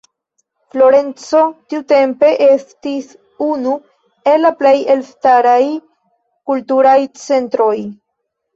Florenco tiutempe estis unu el la plej elstaraj kulturaj centroj.